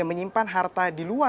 yang menyimpan harta di luar negara